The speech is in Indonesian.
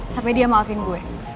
sampai dia maafin gue